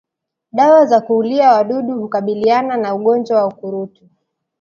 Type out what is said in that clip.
Dawa za kuulia wadudu hukabiliana na ugonjwa wa ukurutu